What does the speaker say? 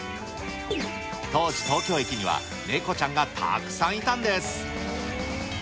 当時、東京駅にはネコちゃんがたくさんいたんです。